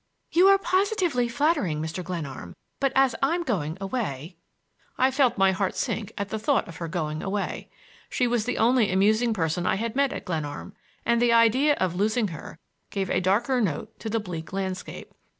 "You are positively flattering, Mr. Glenarm; but as I'm going away—" I felt my heart sink at the thought of her going away. She was the only amusing person I had met at Glenarm, and the idea of losing her gave a darker note to the bleak landscape.